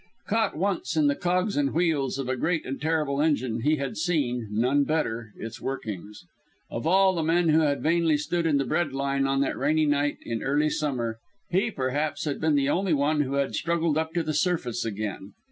Caught once in the cogs and wheels of a great and terrible engine, he had seen none better its workings. Of all the men who had vainly stood in the "bread line" on that rainy night in early summer, he, perhaps, had been the only one who had struggled up to the surface again.